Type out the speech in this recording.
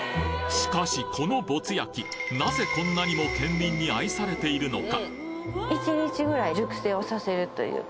しかしこのぼつ焼なぜこんなにも県民に愛されているのか？